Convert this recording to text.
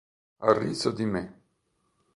Ha riso di me.